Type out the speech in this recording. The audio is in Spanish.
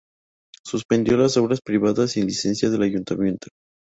Suspendió las obras privadas sin licencia del ayuntamiento.